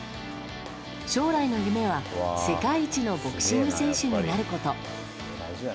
将来の夢は世界一のボクシング選手になること。